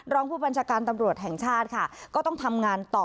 รองผู้บัญชาการตำรวจแห่งชาติค่ะก็ต้องทำงานต่อ